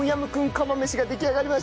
釜飯が出来上がりました！